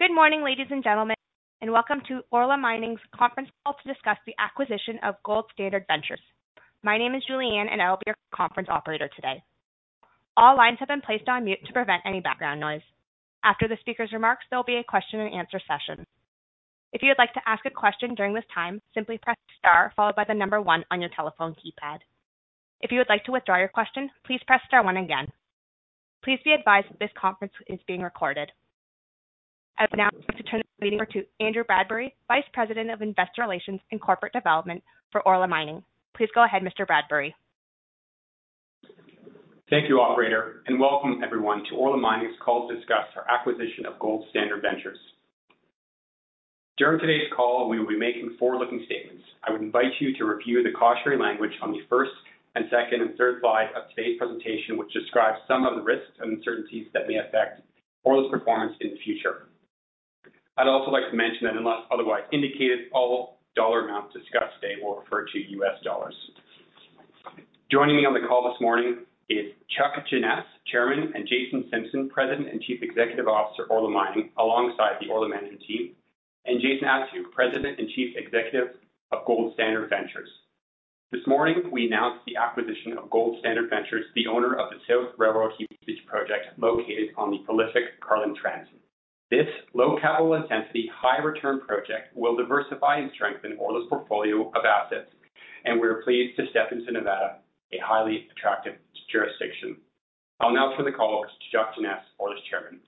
Good morning, ladies and gentlemen, and welcome to Orla Mining's conference call to discuss the acquisition of Gold Standard Ventures. My name is Julianne, and I will be your conference operator today. All lines have been placed on mute to prevent any background noise. After the speaker's remarks, there'll be a question-and-answer session. If you'd like to ask a question during this time, simply press star followed by the number one on your telephone keypad. If you would like to withdraw your question, please press star one again. Please be advised that this conference is being recorded. I would now like to turn the meeting over to Andrew Bradbury, Vice President of Investor Relations and Corporate Development for Orla Mining. Please go ahead, Mr. Bradbury. Thank you, operator, and welcome everyone to Orla Mining's call to discuss our acquisition of Gold Standard Ventures. During today's call, we will be making forward-looking statements. I would invite you to review the cautionary language on the first and second and third slide of today's presentation, which describes some of the risks and uncertainties that may affect Orla's performance in the future. I'd also like to mention that unless otherwise indicated, all dollar amounts discussed today will refer to U.S. dollars. Joining me on the call this morning is Chuck Jeannes, Chairman, and Jason Simpson, President and Chief Executive Officer, Orla Mining, alongside the Orla management team, and Jason Attew, President and Chief Executive of Gold Standard Ventures. This morning, we announced the acquisition of Gold Standard Ventures, the owner of the South Railroad heap leach project located on the prolific Carlin Trend. This low capital intensity, high return project will diversify and strengthen Orla's portfolio of assets, and we're pleased to step into Nevada, a highly attractive jurisdiction. I'll now turn the call over to Chuck Jeannes, Orla's Chairman.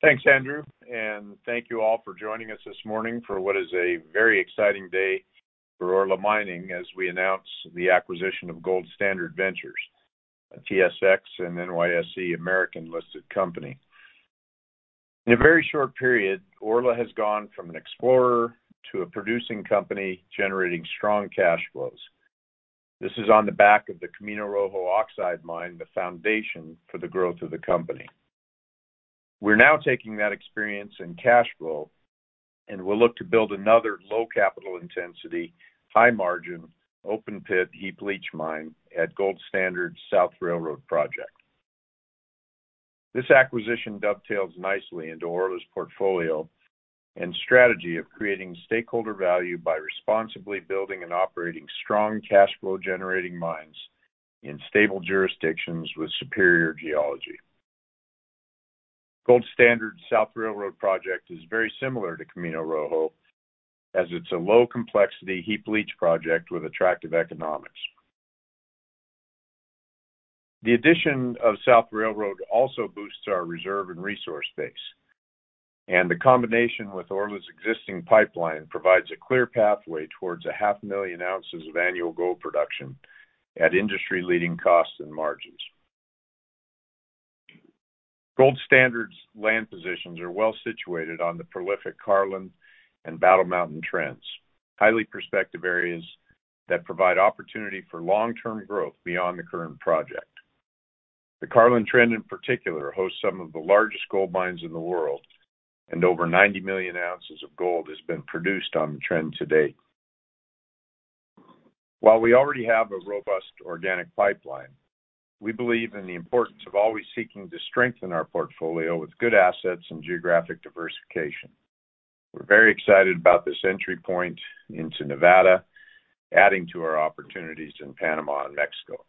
Thanks, Andrew, and thank you all for joining us this morning for what is a very exciting day for Orla Mining as we announce the acquisition of Gold Standard Ventures, a TSX and NYSE American-listed company. In a very short period, Orla has gone from an explorer to a producing company generating strong cash flows. This is on the back of the Camino Rojo oxide mine, the foundation for the growth of the company. We're now taking that experience and cash flow, and we'll look to build another low capital intensity, high margin, open pit, heap leach mine at Gold Standard's South Railroad project. This acquisition dovetails nicely into Orla's portfolio and strategy of creating stakeholder value by responsibly building and operating strong cash flow-generating mines in stable jurisdictions with superior geology. Gold Standard South Railroad project is very similar to Camino Rojo, as it's a low complexity heap leach project with attractive economics. The addition of South Railroad also boosts our reserve and resource base, and the combination with Orla's existing pipeline provides a clear pathway towards a 500,000 ounces of annual gold production at industry-leading costs and margins. Gold Standard's land positions are well-situated on the prolific Carlin and Battle Mountain Trends, highly prospective areas that provide opportunity for long-term growth beyond the current project. The Carlin Trend, in particular, hosts some of the largest gold mines in the world, and over 90 million ounces of gold has been produced on the trend to date. While we already have a robust organic pipeline, we believe in the importance of always seeking to strengthen our portfolio with good assets and geographic diversification. We're very excited about this entry point into Nevada, adding to our opportunities in Panama and Mexico.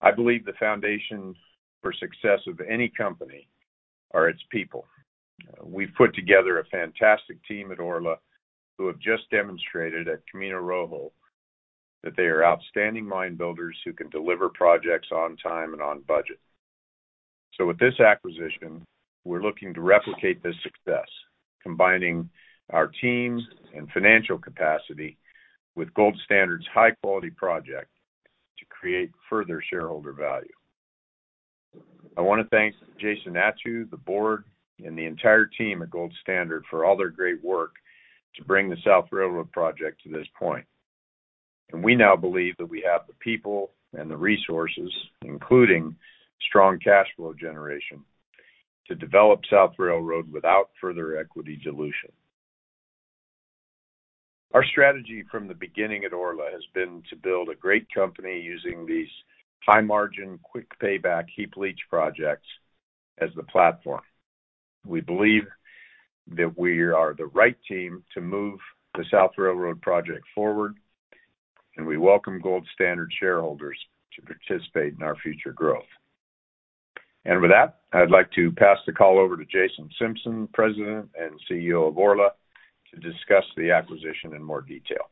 I believe the foundation for success of any company are its people. We've put together a fantastic team at Orla who have just demonstrated at Camino Rojo that they are outstanding mine builders who can deliver projects on time and on budget. With this acquisition, we're looking to replicate this success, combining our teams and financial capacity with Gold Standard's high-quality project to create further shareholder value. I want to thank Jason Attew, the board, and the entire team at Gold Standard for all their great work to bring the South Railroad project to this point. We now believe that we have the people and the resources, including strong cash flow generation, to develop South Railroad without further equity dilution. Our strategy from the beginning at Orla has been to build a great company using these high margin, quick payback, heap leach projects as the platform. We believe that we are the right team to move the South Railroad project forward, and we welcome Gold Standard shareholders to participate in our future growth. With that, I'd like to pass the call over to Jason Simpson, President and CEO of Orla, to discuss the acquisition in more detail.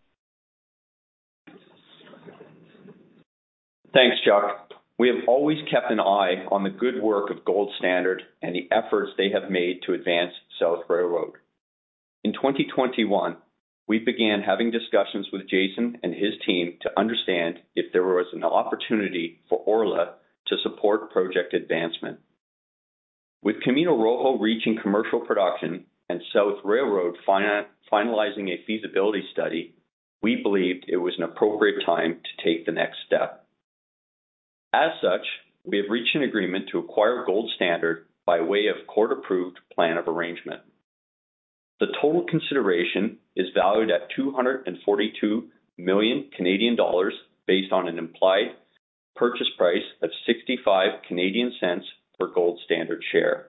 Thanks, Chuck. We have always kept an eye on the good work of Gold Standard and the efforts they have made to advance South Railroad. In 2021, we began having discussions with Jason and his team to understand if there was an opportunity for Orla to support project advancement. With Camino Rojo reaching commercial production and South Railroad finalizing a feasibility study, we believed it was an appropriate time to take the next step. As such, we have reached an agreement to acquire Gold Standard by way of court-approved plan of arrangement. The total consideration is valued at 242 million Canadian dollars based on an implied purchase price of 0.65 per Gold Standard share.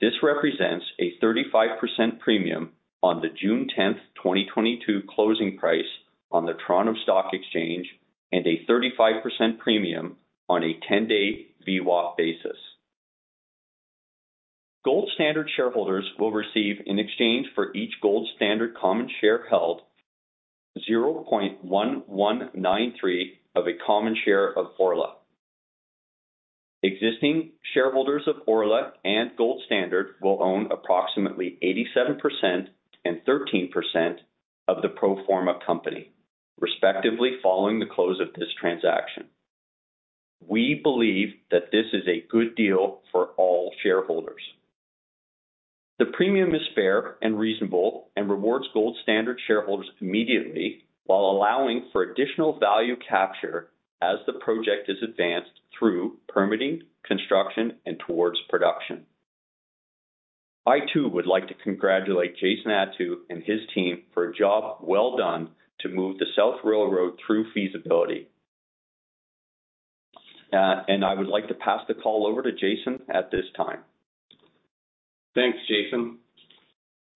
This represents a 35% premium on the June 10th, 2022 closing price on the Toronto Stock Exchange and a 35% premium on a 10-day VWAP basis. Gold Standard shareholders will receive in exchange for each Gold Standard common share held 0.1193 of a common share of Orla. Existing shareholders of Orla and Gold Standard will own approximately 87% and 13% of the pro forma company, respectively following the close of this transaction. We believe that this is a good deal for all shareholders. The premium is fair and reasonable and rewards Gold Standard shareholders immediately while allowing for additional value capture as the project is advanced through permitting, construction, and towards production. I too would like to congratulate Jason Attew and his team for a job well done to move the South Railroad through feasibility. I would like to pass the call over to Jason at this time. Thanks, Jason.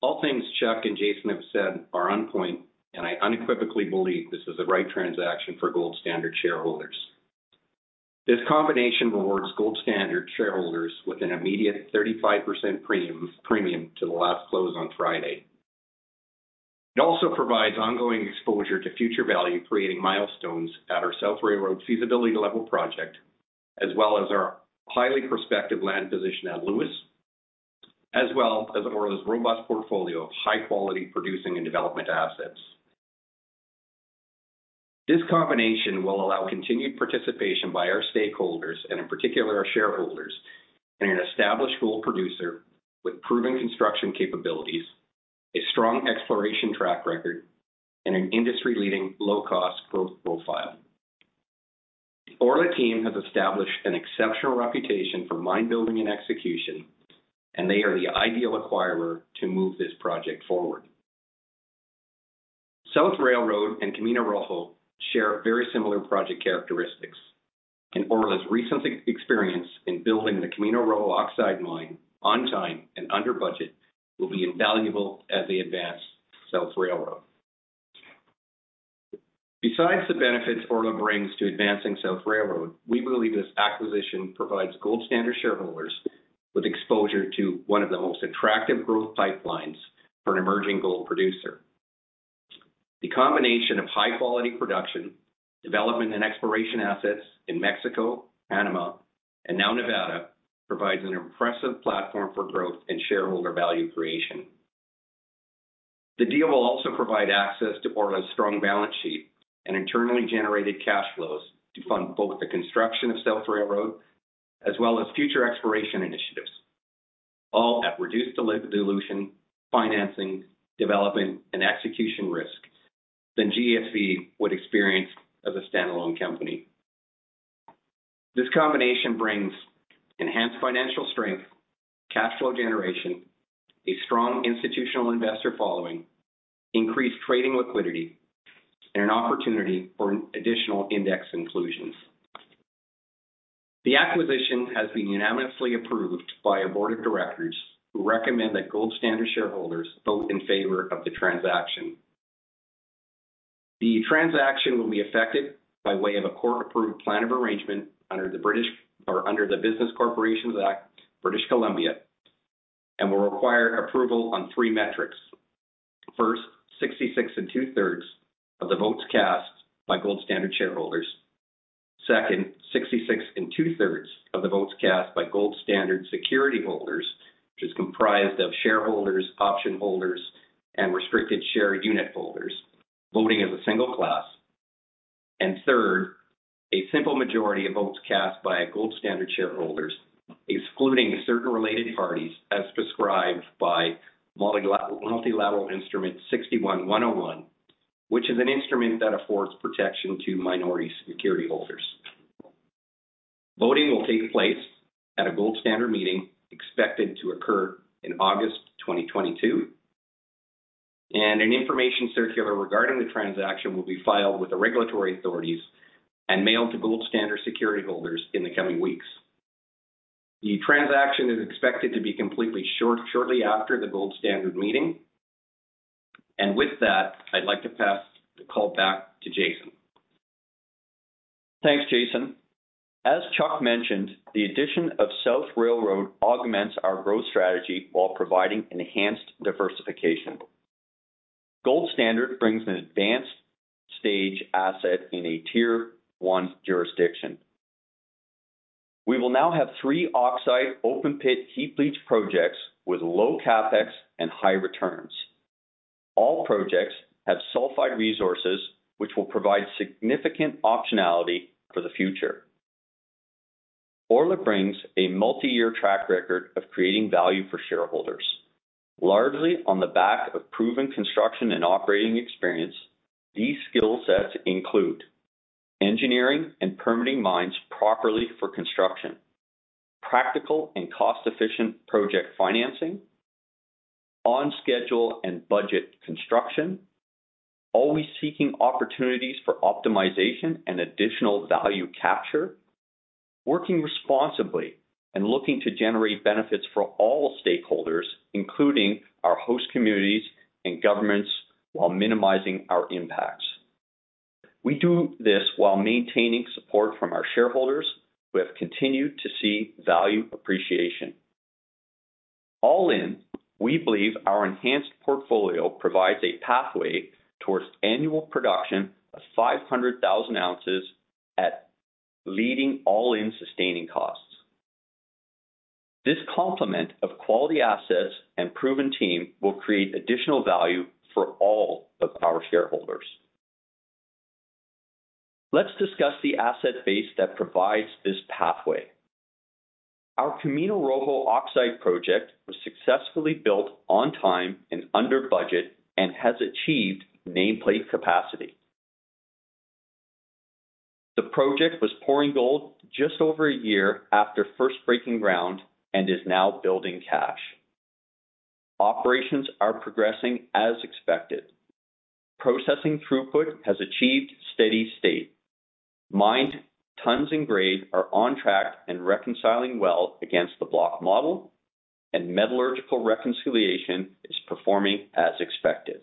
All things Chuck and Jason have said are on point, and I unequivocally believe this is the right transaction for Gold Standard shareholders. This combination rewards Gold Standard shareholders with an immediate 35% premium to the last close on Friday. It also provides ongoing exposure to future value, creating milestones at our South Railroad feasibility level project, as well as our highly prospective land position at Lewis, as well as Orla's robust portfolio of high-quality producing and development assets. This combination will allow continued participation by our stakeholders, and in particular, our shareholders, in an established gold producer with proven construction capabilities, a strong exploration track record, and an industry-leading low-cost growth profile. Orla team has established an exceptional reputation for mine building and execution, and they are the ideal acquirer to move this project forward. South Railroad and Camino Rojo share very similar project characteristics, and Orla's recent experience in building the Camino Rojo oxide mine on time and under budget will be invaluable as they advance South Railroad. Besides the benefits Orla brings to advancing South Railroad, we believe this acquisition provides Gold Standard shareholders with exposure to one of the most attractive growth pipelines for an emerging gold producer. The combination of high-quality production, development, and exploration assets in Mexico, Panama, and now Nevada provides an impressive platform for growth and shareholder value creation. The deal will also provide access to Orla's strong balance sheet and internally-generated cash flows to fund both the construction of South Railroad as well as future exploration initiatives, all at reduced dilution, financing, development, and execution risk than GSV would experience as a standalone company. This combination brings enhanced financial strength, cash flow generation, a strong institutional investor following, increased trading liquidity, and an opportunity for additional index inclusions. The acquisition has been unanimously approved by our board of directors who recommend that Gold Standard shareholders vote in favor of the transaction. The transaction will be effected by way of a court-approved plan of arrangement under the British or the Business Corporations Act, British Columbia, and will require approval on three metrics. First, 66 2/3 of the votes cast by Gold Standard shareholders. Second, 66 2/3 of the votes cast by Gold Standard security holders, which is comprised of shareholders, option holders, and restricted share unit holders voting as a single class. Third, a simple majority of votes cast by Gold Standard shareholders, excluding certain related parties as prescribed by Multilateral Instrument 61-101, which is an instrument that affords protection to minority security holders. Voting will take place at a Gold Standard meeting expected to occur in August 2022, and an information circular regarding the transaction will be filed with the regulatory authorities and mailed to Gold Standard security holders in the coming weeks. The transaction is expected to be completed shortly after the Gold Standard meeting. With that, I'd like to pass the call back to Jason. Thanks, Jason. As Chuck mentioned, the addition of South Railroad augments our growth strategy while providing enhanced diversification. Gold Standard brings an advanced stage asset in a Tier 1 jurisdiction. We will now have three oxide open pit heap leach projects with low CapEx and high returns. All projects have sulfide resources which will provide significant optionality for the future. Orla brings a multi-year track record of creating value for shareholders, largely on the back of proven construction and operating experience. These skill sets include engineering and permitting mines properly for construction. Practical and cost-efficient project financing. On schedule and budget construction. Always seeking opportunities for optimization and additional value capture. Working responsibly and looking to generate benefits for all stakeholders, including our host communities and governments, while minimizing our impacts. We do this while maintaining support from our shareholders. We have continued to see value appreciation. All in, we believe our enhanced portfolio provides a pathway towards annual production of 500,000 ounces at leading all-in sustaining costs. This complement of quality assets and proven team will create additional value for all of our shareholders. Let's discuss the asset base that provides this pathway. Our Camino Rojo oxide project was successfully built on time and under budget and has achieved nameplate capacity. The project was pouring gold just over a year after first breaking ground and is now building cash. Operations are progressing as expected. Processing throughput has achieved steady state. Mined tons and grade are on track and reconciling well against the block model, and metallurgical reconciliation is performing as expected.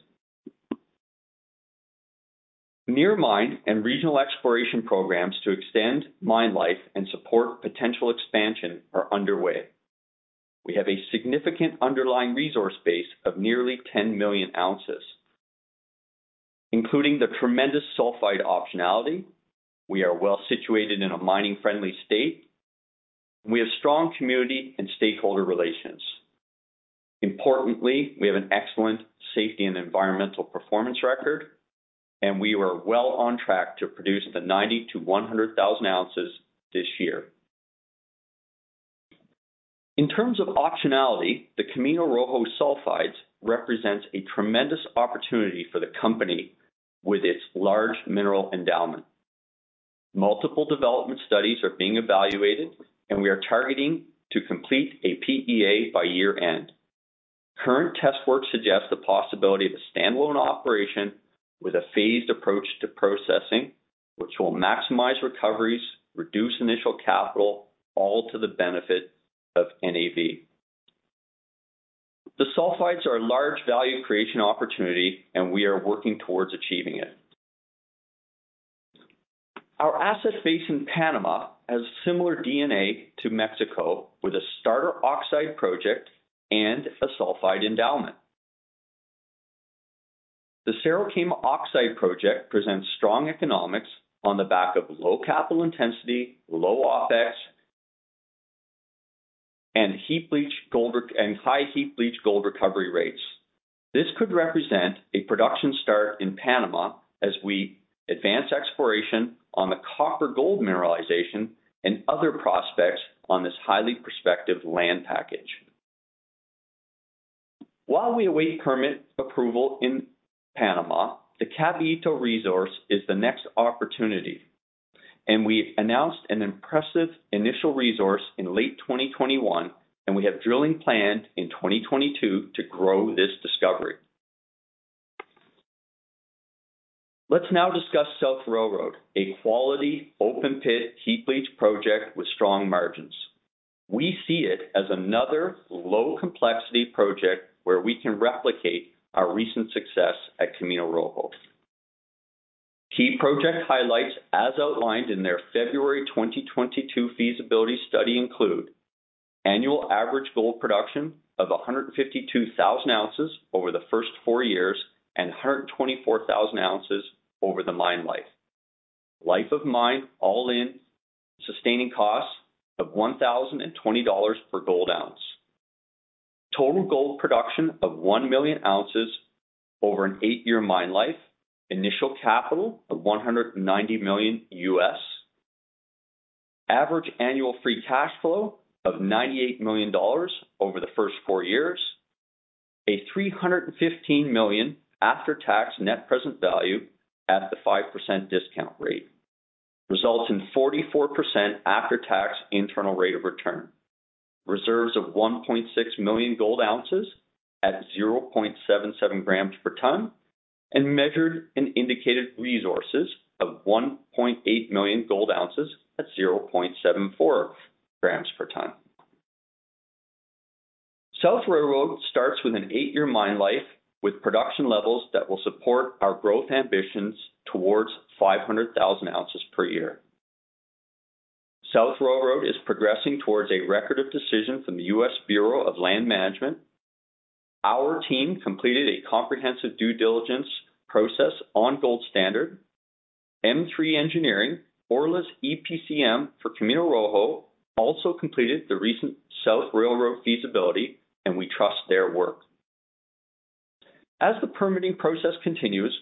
Near mine and regional exploration programs to extend mine life and support potential expansion are underway. We have a significant underlying resource base of nearly 10 million ounces, including the tremendous sulfide optionality. We are well-situated in a mining-friendly state. We have strong community and stakeholder relations. Importantly, we have an excellent safety and environmental performance record, and we are well on track to produce 90,000-100,000 ounces this year. In terms of optionality, the Camino Rojo sulfides represents a tremendous opportunity for the company with its large mineral endowment. Multiple development studies are being evaluated, and we are targeting to complete a PEA by year-end. Current test work suggests the possibility of a stand-alone operation with a phased approach to processing, which will maximize recoveries, reduce initial capital, all to the benefit of NAV. The sulfides are a large value creation opportunity, and we are working towards achieving it. Our asset base in Panama has similar DNA to Mexico, with a starter oxide project and a sulfide endowment. The Cerro Quema oxide project presents strong economics on the back of low capital intensity, low OpEx, and high heap leach gold recovery rates. This could represent a production start in Panama as we advance exploration on the copper-gold mineralization and other prospects on this highly prospective land package. While we await permit approval in Panama, the Caballito resource is the next opportunity, and we announced an impressive initial resource in late 2021, and we have drilling planned in 2022 to grow this discovery. Let's now discuss South Railroad, a quality open-pit heap leach project with strong margins. We see it as another low-complexity project where we can replicate our recent success at Camino Rojo. Key project highlights, as outlined in their February 2022 feasibility study, include annual average gold production of 152,000 ounces over the first four years and 124,000 ounces over the mine life. Life of mine all-in sustaining costs of $1,020 per gold ounce. Total gold production of 1 million ounces over an eight-year mine life. Initial capital of $190 million. Average annual free cash flow of $98 million over the first four years. A $315 million after-tax net present value at the 5% discount rate results in 44% after-tax internal rate of return. Reserves of 1.6 million gold ounces at 0.77 g per ton. Measured and indicated resources of 1.8 million gold ounces at 0.74 g per ton. South Railroad starts with an eight-year mine life with production levels that will support our growth ambitions towards 500,000 ounces per year. South Railroad is progressing towards a Record of Decision from the US Bureau of Land Management. Our team completed a comprehensive due diligence process on Gold Standard. M3 Engineering, Orla's EPCM for Camino Rojo, also completed the recent South Railroad feasibility, and we trust their work. As the permitting process continues,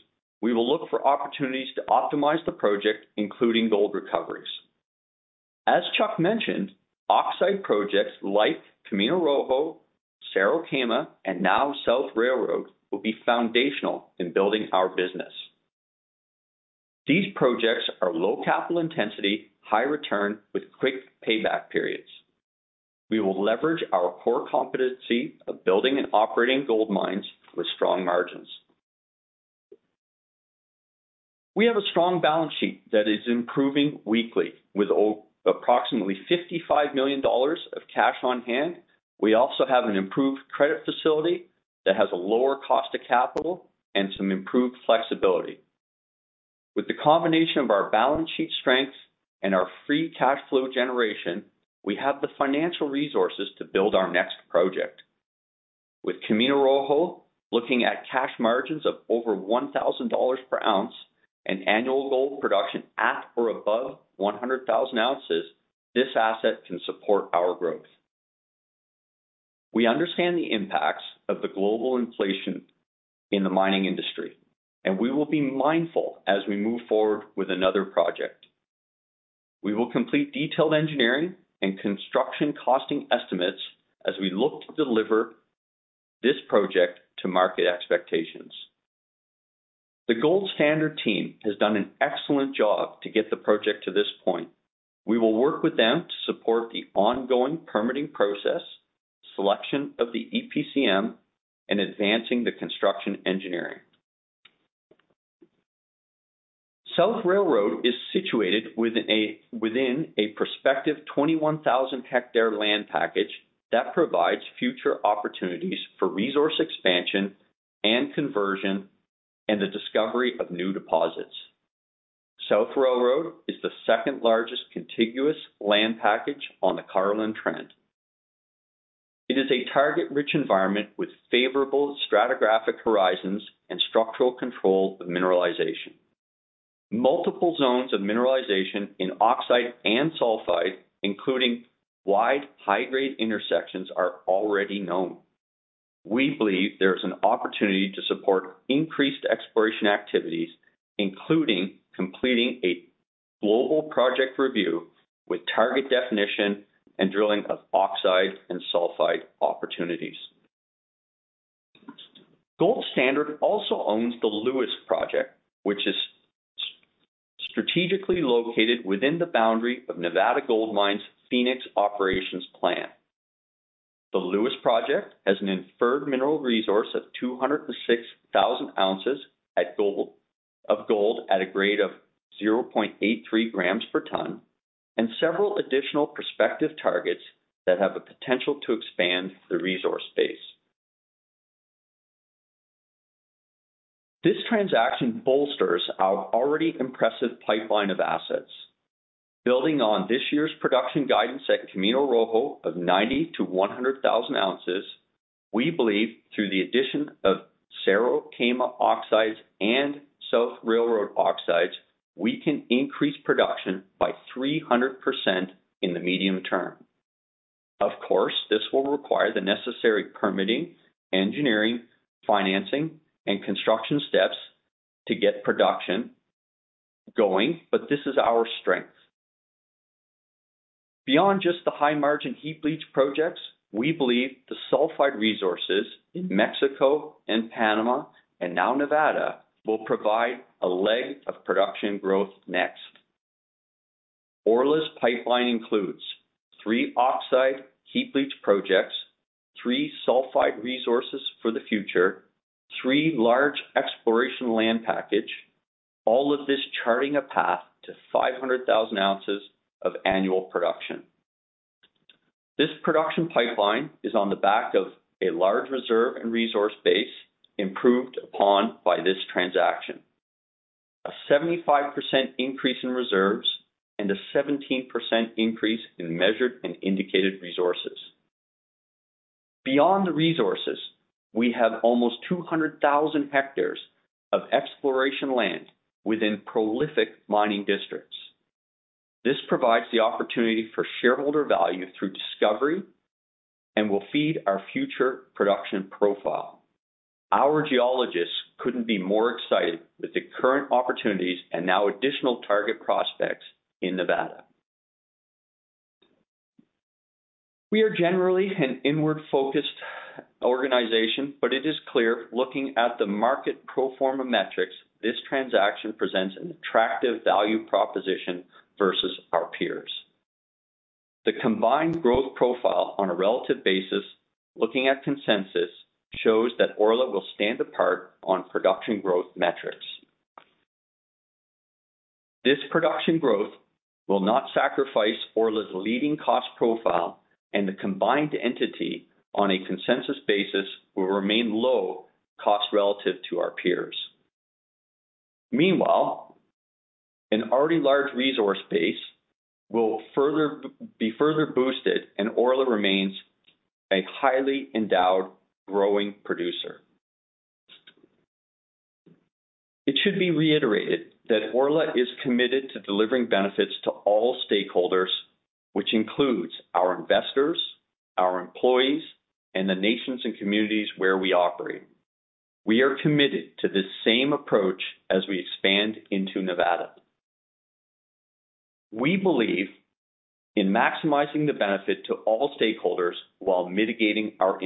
we will look for opportunities to optimize the project, including gold recoveries. As Chuck mentioned, oxide projects like Camino Rojo, Cerro Quema, and now South Railroad will be foundational in building our business. These projects are low capital intensity, high return with quick payback periods. We will leverage our core competency of building and operating gold mines with strong margins. We have a strong balance sheet that is improving weekly with approximately $55 million of cash on hand. We also have an improved credit facility that has a lower cost of capital and some improved flexibility. With the combination of our balance sheet strengths and our free cash flow generation, we have the financial resources to build our next project. With Camino Rojo looking at cash margins of over $1,000 per ounce and annual gold production at or above 100,000 ounces, this asset can support our growth. We understand the impacts of the global inflation in the mining industry, and we will be mindful as we move forward with another project. We will complete detailed engineering and construction costing estimates as we look to deliver this project to market expectations. The Gold Standard team has done an excellent job to get the project to this point. We will work with them to support the ongoing permitting process, selection of the EPCM, and advancing the construction engineering. South Railroad is situated within a prospective 21,000-hectare land package that provides future opportunities for resource expansion and conversion and the discovery of new deposits. South Railroad is the second-largest contiguous land package on the Carlin Trend. It is a target-rich environment with favorable stratigraphic horizons and structural control of mineralization. Multiple zones of mineralization in oxide and sulfide, including wide, high-grade intersections, are already known. We believe there is an opportunity to support increased exploration activities, including completing a global project review with target definition and drilling of oxide and sulfide opportunities. Gold Standard also owns the Lewis Project, which is strategically located within the boundary of Nevada Gold Mines' Phoenix Operations plant. The Lewis Project has an inferred mineral resource of 206,000 ounces of gold at a grade of 0.83 g per ton, and several additional prospective targets that have the potential to expand the resource base. This transaction bolsters our already impressive pipeline of assets. Building on this year's production guidance at Camino Rojo of 90,000-100,000 ounces, we believe through the addition of Cerro Quema oxides and South Railroad oxides, we can increase production by 300% in the medium term. Of course, this will require the necessary permitting, engineering, financing, and construction steps to get production going, but this is our strength. Beyond just the high-margin heap leach projects, we believe the sulfide resources in Mexico and Panama, and now Nevada, will provide a leg of production growth next. Orla's pipeline includes three oxide heap leach projects, three sulfide resources for the future, three large exploration land package, all of this charting a path to 500,000 ounces of annual production. This production pipeline is on the back of a large reserve and resource base improved upon by this transaction. A 75% increase in reserves and a 17% increase in measured and indicated resources. Beyond the resources, we have almost 200,000 hectares of exploration land within prolific mining districts. This provides the opportunity for shareholder value through discovery and will feed our future production profile. Our geologists couldn't be more excited with the current opportunities and now additional target prospects in Nevada. We are generally an inward-focused organization, but it is clear looking at the market pro forma metrics, this transaction presents an attractive value proposition versus our peers. The combined growth profile on a relative basis, looking at consensus, shows that Orla will stand apart on production growth metrics. This production growth will not sacrifice Orla's leading cost profile, and the combined entity on a consensus basis will remain low cost relative to our peers. Meanwhile, an already large resource base will further boosted and Orla remains a highly endowed growing producer. It should be reiterated that Orla is committed to delivering benefits to all stakeholders, which includes our investors, our employees, and the nations and communities where we operate. We are committed to this same approach as we expand into Nevada. We believe in maximizing the benefit to all stakeholders while mitigating our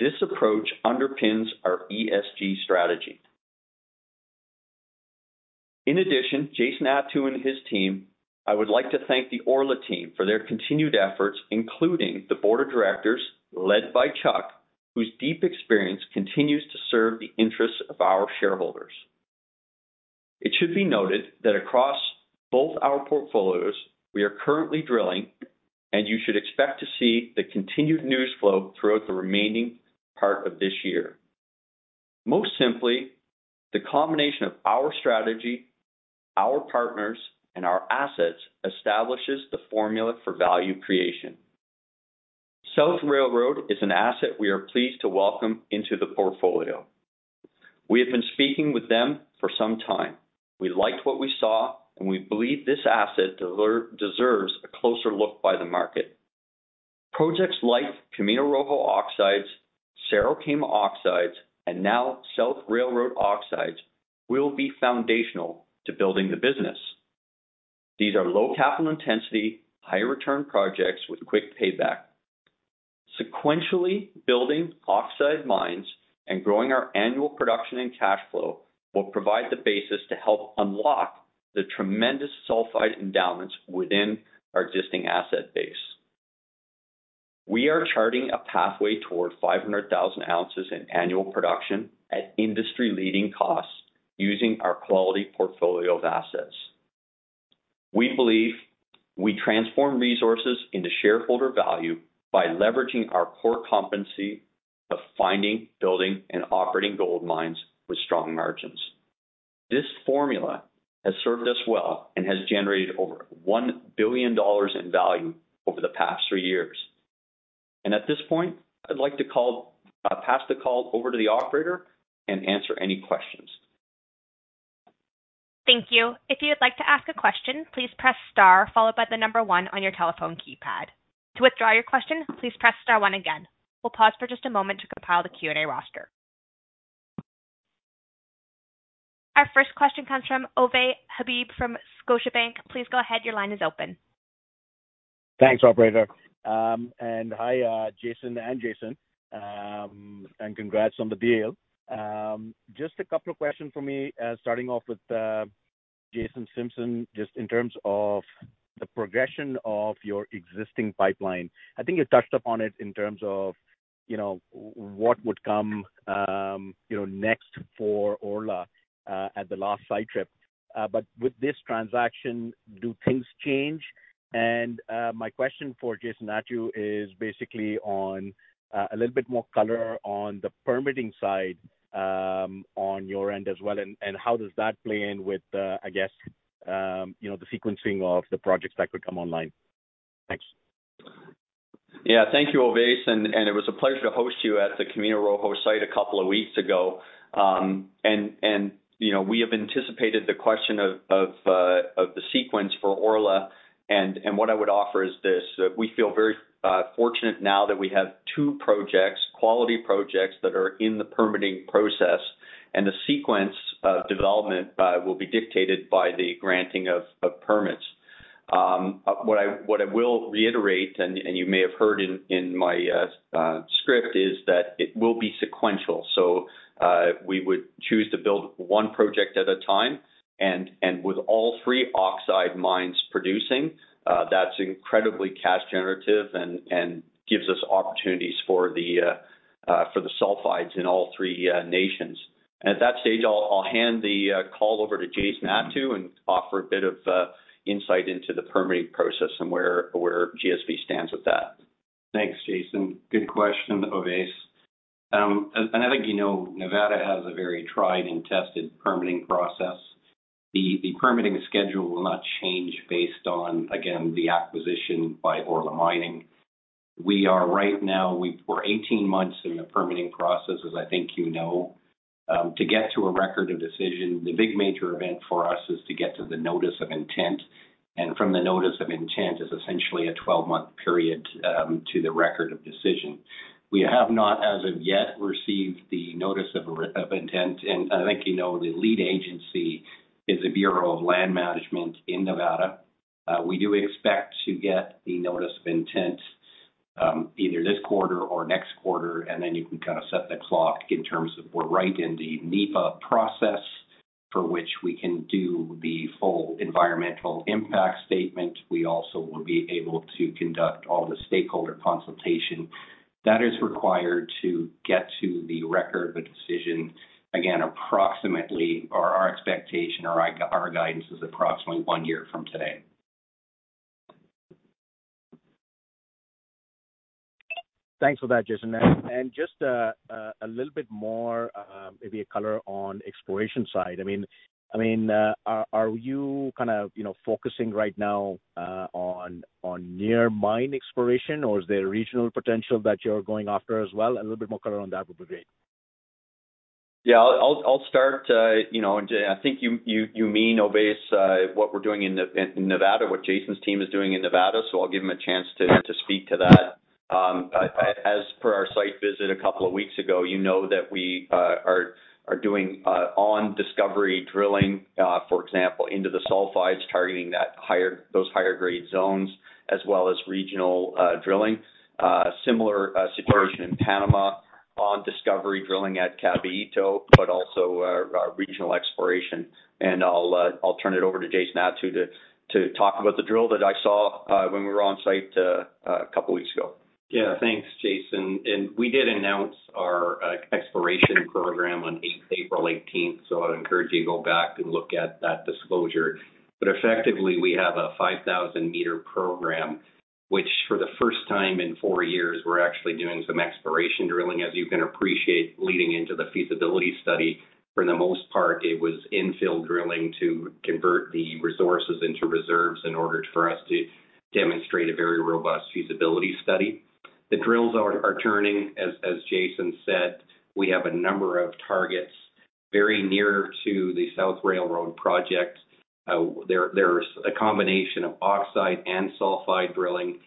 impacts. This approach underpins our ESG strategy. In addition, Jason Attew and his team, I would like to thank the Orla team for their continued efforts, including the board of directors, led by Chuck, whose deep experience continues to serve the interests of our shareholders. It should be noted that across both our portfolios, we are currently drilling, and you should expect to see the continued news flow throughout the remaining part of this year. Most simply, the combination of our strategy, our partners, and our assets establishes the formula for value creation. South Railroad is an asset we are pleased to welcome into the portfolio. We have been speaking with them for some time. We liked what we saw, and we believe this asset deserves a closer look by the market. Projects like Camino Rojo oxides, Cerro Camacho oxides, and now South Railroad oxides will be foundational to building the business. These are low capital intensity, high return projects with quick payback. Sequentially, building oxide mines and growing our annual production and cash flow will provide the basis to help unlock the tremendous sulfide endowments within our existing asset base. We are charting a pathway toward 500,000 ounces in annual production at industry-leading costs using our quality portfolio of assets. We believe we transform resources into shareholder value by leveraging our core competency of finding, building, and operating gold mines with strong margins. This formula has served us well and has generated over $1 billion in value over the past three years. At this point, I'd like to pass the call over to the operator and answer any questions. Thank you. If you'd like to ask a question, please press star followed by the number one on your telephone keypad. To withdraw your question, please press star one again. We'll pause for just a moment to compile the Q&A roster. Our first question comes from Ovais Habib from Scotiabank. Please go ahead. Your line is open. Thanks, operator. Hi, Jason and Jason. Congrats on the deal. Just a couple of questions from me, starting off with Jason Simpson, just in terms of the progression of your existing pipeline. I think you touched upon it in terms of, you know, what would come, you know, next for Orla, at the last site trip. But with this transaction, do things change? My question for Jason Attew is basically on a little bit more color on the permitting side, on your end as well and how does that play in with, I guess, you know, the sequencing of the projects that could come online? Thanks. Yeah. Thank you, Ovais. It was a pleasure to host you at the Camino Rojo site a couple of weeks ago. You know, we have anticipated the question of the sequence for Orla. What I would offer is this, that we feel very fortunate now that we have two projects, quality projects that are in the permitting process, and the sequence of development will be dictated by the granting of permits. What I will reiterate, you may have heard in my script, is that it will be sequential. We would choose to build one project at a time. With all three oxide mines producing, that's incredibly cash generative and gives us opportunities for the sulfides in all three nations. At that stage, I'll hand the call over to Jason Attew and offer a bit of insight into the permitting process and where GSV stands with that. Thanks, Jason. Good question, Ovais. I think, you know, Nevada has a very tried and tested permitting process. The permitting schedule will not change based on, again, the acquisition by Orla Mining. We are right now, we're 18 months in the permitting process, as I think you know. To get to a Record of Decision, the big major event for us is to get to the Notice of Intent. From the Notice of Intent is essentially a 12-month period to the Record of Decision. We have not, as of yet, received the Notice of Intent. I think you know the lead agency is the Bureau of Land Management in Nevada. We do expect to get the Notice of Intent, either this quarter or next quarter, and then you can kind of set the clock in terms of we're right in the NEPA process for which we can do the full environmental impact statement. We also will be able to conduct all the stakeholder consultation that is required to get to the record of decision. Again, approximately or our expectation or our guidance is approximately one year from today. Thanks for that, Jason. Just a little bit more, maybe a color on exploration side. I mean, are you kind of, you know, focusing right now on near mine exploration, or is there regional potential that you're going after as well? A little bit more color on that would be great. Yeah. I'll start, you know, and I think you mean, Ovais, what we're doing in Nevada, what Jason's team is doing in Nevada, so I'll give him a chance to speak to that. As per our site visit a couple of weeks ago, you know that we are doing on discovery drilling, for example, into the sulfides targeting those higher grade zones as well as regional drilling. Similar situation in Panama on discovery drilling at Caballito, but also regional exploration. I'll turn it over to Jason Attew to talk about the drill that I saw when we were on site a couple weeks ago. Yeah. Thanks, Jason. We did announce our exploration program on April 18, so I would encourage you to go back and look at that disclosure. Effectively, we have a 5,000-m program, which for the first time in four years we're actually doing some exploration drilling. As you can appreciate, leading into the feasibility study, for the most part it was infill drilling to convert the resources into reserves in order for us to demonstrate a very robust feasibility study. The drills are turning, as Jason said, we have a number of targets very near to the South Railroad project. There's a combination of oxide and sulfide drilling.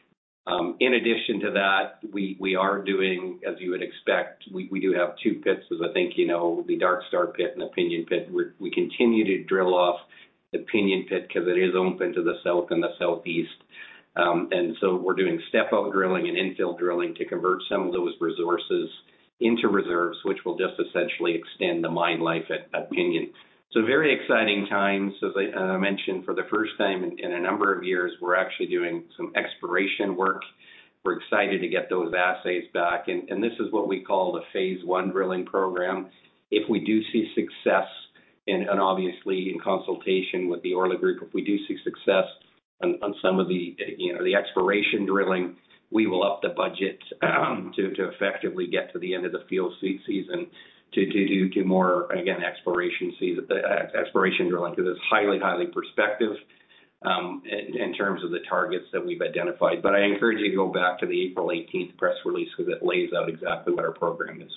In addition to that, we are doing, as you would expect, we do have two pits, as I think you know, the Darkstar pit and the Pinion pit. We continue to drill off the Pinion pit 'cause it is open to the south and the southeast. We're doing step-out drilling and infill drilling to convert some of those resources into reserves, which will just essentially extend the mine life at Pinion. Very exciting times. As I mentioned, for the first time in a number of years, we're actually doing some exploration work. We're excited to get those assays back. This is what we call the phase one drilling program. If we do see success and obviously in consultation with the Orla Group, if we do see success on some of the, you know, the exploration drilling, we will up the budget to effectively get to the end of the field season to do more, again, exploration drilling 'cause it's highly prospective in terms of the targets that we've identified. I encourage you to go back to the April eighteenth press release because it lays out exactly what our program is.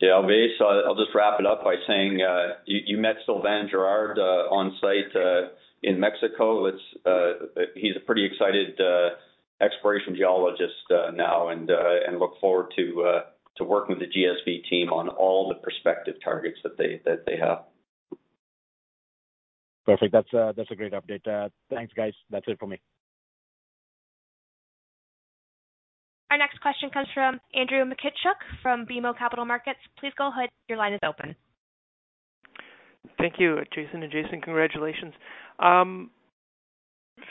Yeah. Ovais, I'll just wrap it up by saying, you met Sylvain Guerard on site in Mexico. He's a pretty excited exploration geologist now and look forward to working with the GSV team on all the prospective targets that they have. Perfect. That's a great update. Thanks, guys. That's it for me. Our next question comes from Andrew Mikitchook from BMO Capital Markets. Please go ahead. Your line is open. Thank you, Jason and Jason. Congratulations.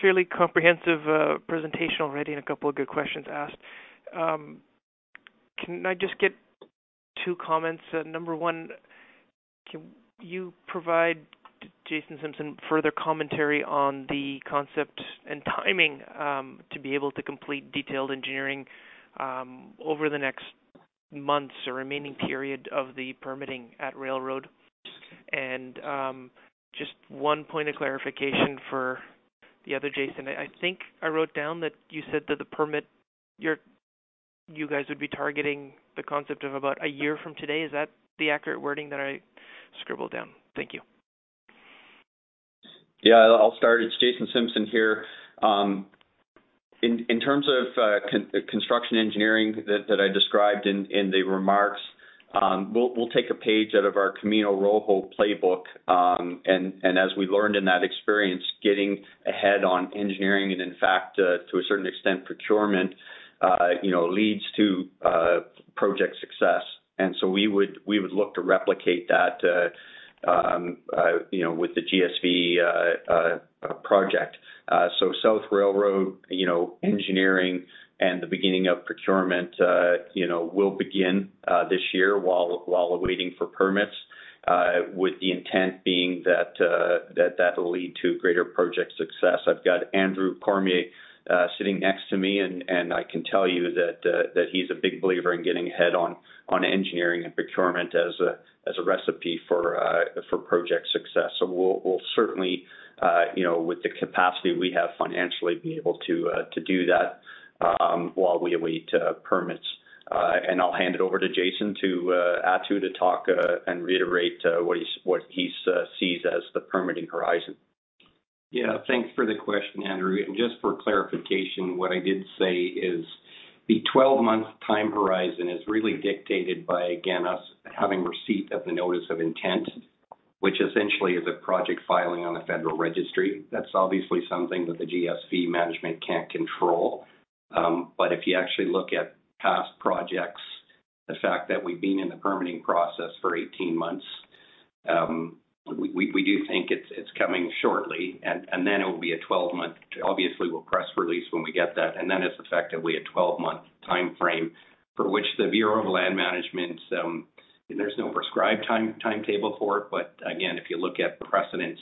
Fairly comprehensive presentation already and a couple of good questions asked. Can I just get two comments? Number one, can you provide, Jason Simpson, further commentary on the concept and timing to be able to complete detailed engineering over the next months or remaining period of the permitting at Railroad? Just one point of clarification for the other Jason. I think I wrote down that you said that the permit you're, you guys would be targeting the concept of about a year from today. Is that the accurate wording that I scribbled down? Thank you. Yeah, I'll start. It's Jason Simpson here. In terms of construction engineering that I described in the remarks, we'll take a page out of our Camino Rojo playbook. As we learned in that experience, getting ahead on engineering and in fact, to a certain extent, procurement, you know, leads to project success. We would look to replicate that, you know, with the GSV project. South Railroad, you know, engineering and the beginning of procurement, you know, will begin this year while waiting for permits, with the intent being that that'll lead to greater project success. I've got Andrew Cormier sitting next to me, and I can tell you that he's a big believer in getting ahead on engineering and procurement as a recipe for project success. We'll certainly, you know, with the capacity we have financially, be able to do that while we await permits. I'll hand it over to Jason Attew to talk and reiterate what he sees as the permitting horizon. Yeah. Thanks for the question, Andrew. Just for clarification, what I did say is the 12-month time horizon is really dictated by, again, us having receipt of the Notice of Intent, which essentially is a project filing on the Federal Register. That's obviously something that the GSV management can't control. If you actually look at past projects, the fact that we've been in the permitting process for 18 months, we do think it's coming shortly, and then it will be a 12-month. Obviously, we'll press release when we get that, and then it's effectively a 12-month timeframe for which the Bureau of Land Management, there's no prescribed time, timetable for it. Again, if you look at precedents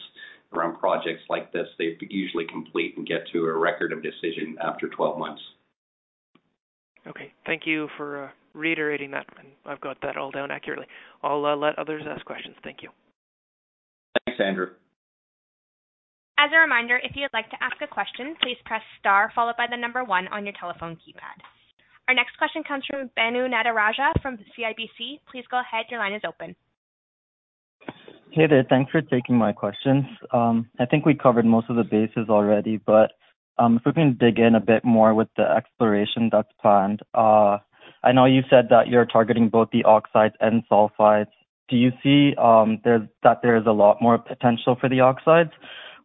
around projects like this, they usually complete and get to a Record of Decision after 12 months. Okay. Thank you for reiterating that. I've got that all down accurately. I'll let others ask questions. Thank you. Thanks, Andrew. As a reminder, if you'd like to ask a question, please press star followed by the number one on your telephone keypad. Our next question comes from Banu Nadarajah from CIBC. Please go ahead. Your line is open. Hey there. Thanks for taking my questions. I think we covered most of the bases already, but if we can dig in a bit more with the exploration that's planned? I know you said that you're targeting both the oxides and sulfides. Do you see that there's a lot more potential for the oxides,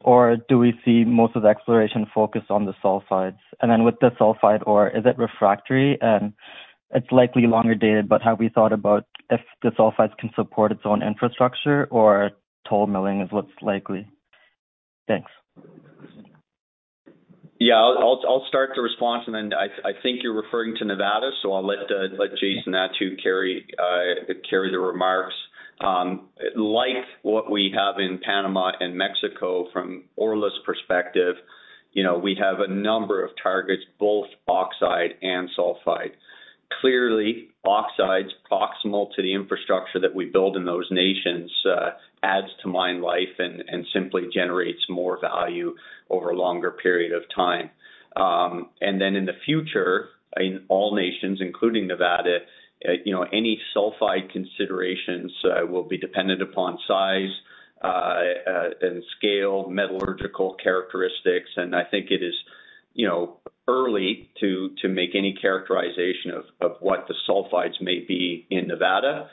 or do we see most of the exploration focus on the sulfides? And then with the sulfide ore, is it refractory? And it's likely longer dated, but have we thought about if the sulfides can support its own infrastructure or toll milling is what's likely? Thanks. Yeah. I'll start the response. I think you're referring to Nevada, so I'll let Jason Attew carry the remarks. Like what we have in Panama and Mexico from Orla's perspective, you know, we have a number of targets, both oxide and sulfide. Clearly, oxides proximal to the infrastructure that we build in those nations adds to mine life and simply generates more value over a longer period of time. In the future, in all nations, including Nevada, you know, any sulfide considerations will be dependent upon size and scale, metallurgical characteristics. I think it is you know early to make any characterization of what the sulfides may be in Nevada.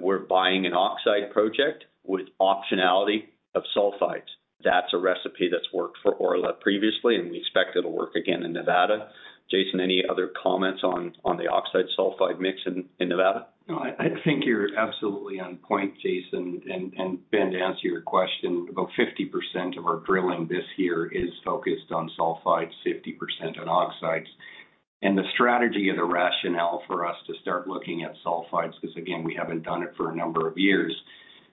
We're buying an oxide project with optionality of sulfides. That's a recipe that's worked for Orla previously, and we expect it'll work again in Nevada. Jason, any other comments on the oxide sulfide mix in Nevada? No, I think you're absolutely on point, Jason. Ben, to answer your question, about 50% of our drilling this year is focused on sulfides, 50% on oxides. The strategy and the rationale for us to start looking at sulfides, 'cause again, we haven't done it for a number of years,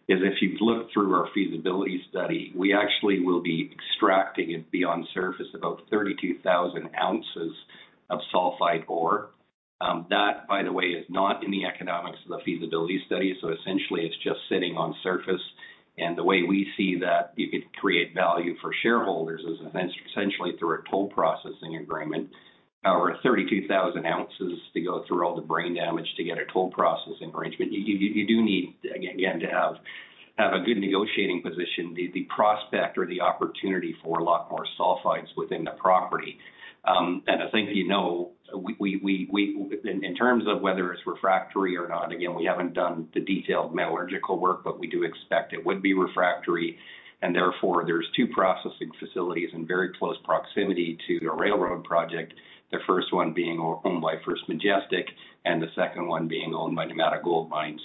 is if you've looked through our feasibility study, we actually will be extracting it beyond surface, about 32,000 ounces of sulfide ore. That, by the way, is not in the economics of the feasibility study, so essentially it's just sitting on surface. The way we see that you could create value for shareholders is essentially through a toll processing agreement. However, 32,000 ounces to go through all the brain damage to get a toll processing arrangement. You do need again to have a good negotiating position, the prospect or the opportunity for a lot more sulfides within the property. I think, you know, in terms of whether it's refractory or not, again, we haven't done the detailed metallurgical work, but we do expect it would be refractory. Therefore, there's two processing facilities in very close proximity to the railroad project, the first one being owned by First Majestic and the second one being owned by Nevada Gold Mines.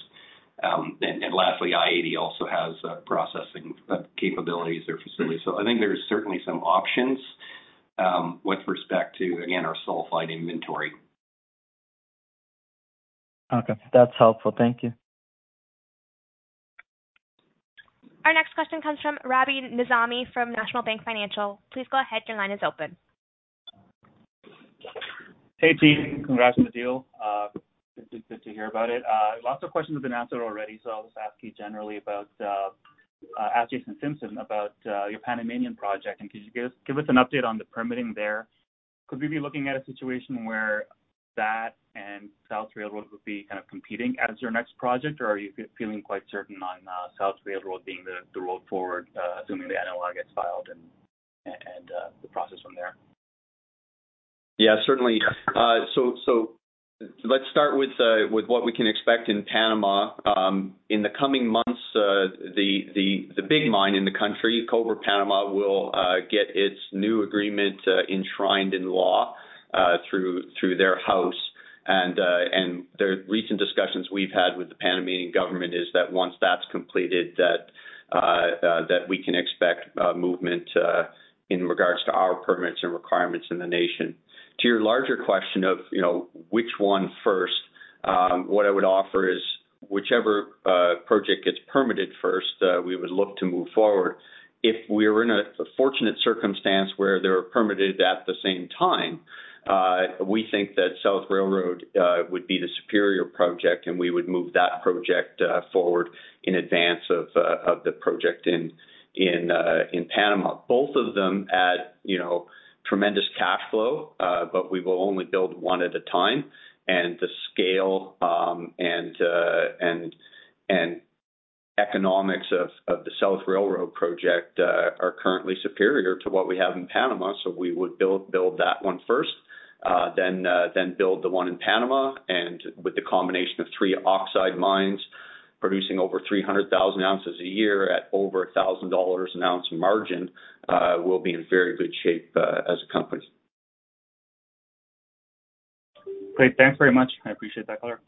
Lastly, i-80 also has processing capabilities or facilities. I think there's certainly some options with respect to again our sulfide inventory. Okay. That's helpful. Thank you. Our next question comes from Rabi Nizami from National Bank Financial. Please go ahead. Your line is open. Hey, team. Congrats on the deal. It's good to hear about it. Lots of questions have been answered already, so I'll just ask Jason Simpson about your Panamanian project. Could you give us an update on the permitting there? Could we be looking at a situation where that and South Railroad would be kind of competing as your next project, or are you feeling quite certain on South Railroad being the road forward, assuming the NOI gets filed and the process from there? Yeah, certainly. Let's start with what we can expect in Panamá. In the coming months, the big mine in the country, Cobre Panamá, will get its new agreement enshrined in law through their House. The recent discussions we've had with the Panamanian government is that once that's completed, that we can expect movement in regards to our permits and requirements in the nation. To your larger question of, you know, which one first, what I would offer is whichever project gets permitted first, we would look to move forward. If we're in a fortunate circumstance where they're permitted at the same time, we think that South Railroad would be the superior project, and we would move that project forward in advance of the project in Panama. Both of them add, you know, tremendous cash flow, but we will only build one at a time. The scale and economics of the South Railroad project are currently superior to what we have in Panama, so we would build that one first, then build the one in Panama. With the combination of three oxide mines producing over 300,000 ounces a year at over $1,000 an ounce margin, we'll be in very good shape as a company. Great. Thanks very much. I appreciate that color.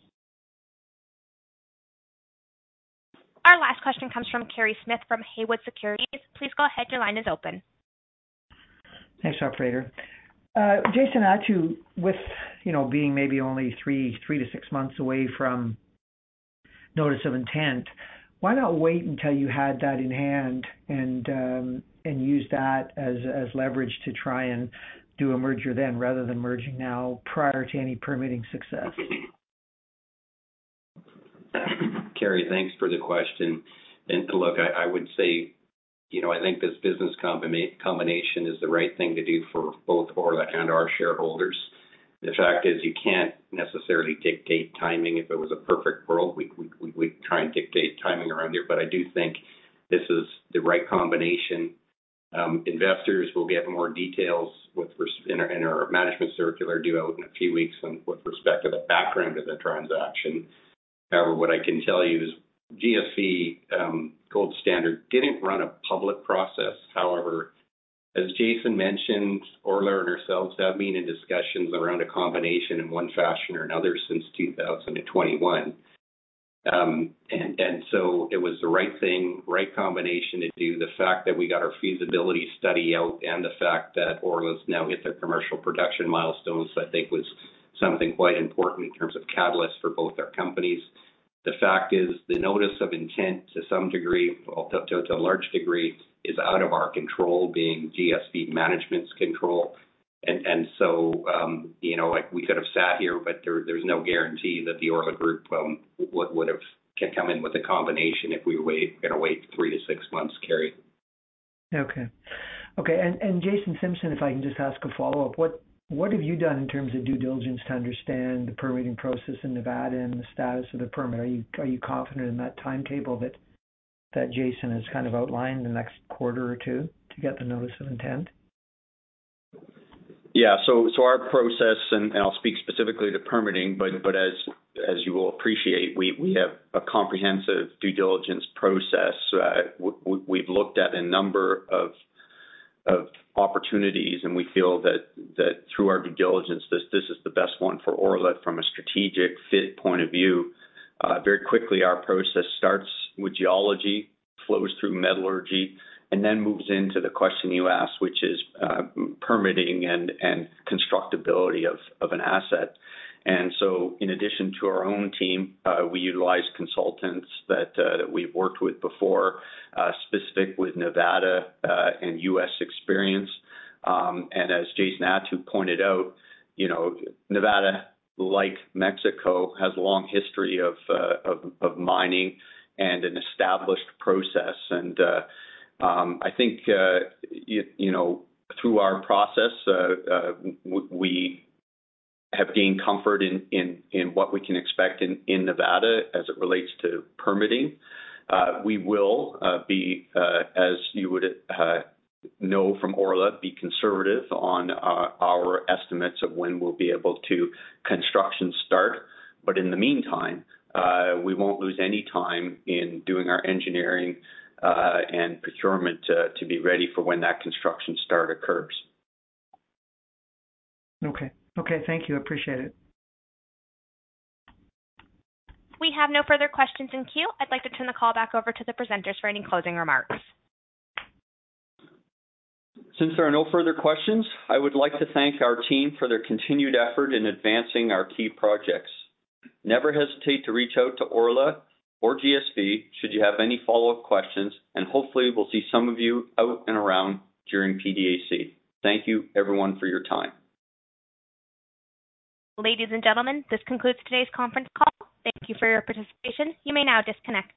Our last question comes from Kerry Smith from Haywood Securities. Please go ahead. Your line is open. Thanks, operator. Jason Attew, with, you know, being maybe only three to six months away from Notice of Intent, why not wait until you had that in hand and use that as leverage to try and do a merger then rather than merging now prior to any permitting success? Kerry, thanks for the question. Look, I would say you know, I think this business combination is the right thing to do for both Orla and our shareholders. The fact is you can't necessarily dictate timing. If it was a perfect world, we'd try and dictate timing around here, but I do think this is the right combination. Investors will get more details in our management circular due out in a few weeks with respect to the background of the transaction. However, what I can tell you is GSV, Gold Standard didn't run a public process. However, as Jason mentioned, Orla and ourselves have been in discussions around a combination in one fashion or another since 2021. So it was the right thing, right combination to do. The fact that we got our feasibility study out and the fact that Orla's now hit their commercial production milestones, I think was something quite important in terms of catalysts for both our companies. The fact is the Notice of Intent to some degree, to a large degree, is out of our control, being GSV management's control. You know, like, we could have sat here, but there's no guarantee that the Orla Group can come in with a combination if we wait three to six months, Kerry. Okay, and Jason Simpson, if I can just ask a follow-up. What have you done in terms of due diligence to understand the permitting process in Nevada and the status of the permit? Are you confident in that timetable that Jason has kind of outlined the next quarter or two to get the Notice of Intent? Yeah. Our process, and I'll speak specifically to permitting, but as you will appreciate, we have a comprehensive due diligence process. We've looked at a number of opportunities, and we feel that through our due diligence, this is the best one for Orla from a strategic fit point of view. Very quickly, our process starts with geology, flows through metallurgy, and then moves into the question you asked, which is permitting and constructability of an asset. In addition to our own team, we utilize consultants that we've worked with before, specific with Nevada and U.S. experience. As Jason Attew pointed out, you know, Nevada, like Mexico, has a long history of mining and an established process. I think you know through our process we have gained comfort in what we can expect in Nevada as it relates to permitting. We will be, as you would know from Orla, conservative on our estimates of when we'll be able to construction start. In the meantime, we won't lose any time in doing our engineering and procurement to be ready for when that construction start occurs. Okay. Okay, thank you. Appreciate it. We have no further questions in queue. I'd like to turn the call back over to the presenters for any closing remarks. Since there are no further questions, I would like to thank our team for their continued effort in advancing our key projects. Never hesitate to reach out to Orla or GSV should you have any follow-up questions, and hopefully we'll see some of you out and around during PDAC. Thank you everyone for your time. Ladies and gentlemen, this concludes today's conference call. Thank you for your participation. You may now disconnect.